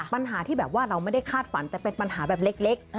ปัญหาที่แบบว่าเราไม่ได้คาดฝันแต่เป็นปัญหาแบบเล็ก